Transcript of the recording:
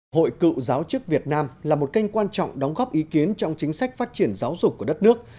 hội cựu giáo chức việt nam là một kênh quan trọng đóng góp ý kiến trong chính sách phát triển giáo dục của đất nước